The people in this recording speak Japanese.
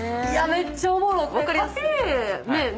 めっちゃおもろい！